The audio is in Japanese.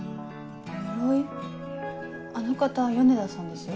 あの方米田さんですよ。